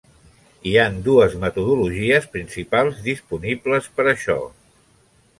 Hi han dues metodologies principals disponibles per això.